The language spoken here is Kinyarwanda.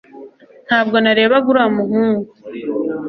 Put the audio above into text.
ntabwo narebaga uriya muhungu